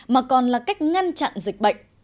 mà còn là cách ngăn chặn dịch bệnh